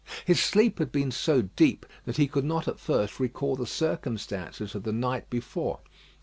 His sleep had been so deep that he could not at first recall the circumstances of the night before.